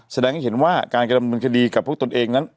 แสดงให้เห็นว่าการกระดำเนินคดีกับพวกตนเองนั้น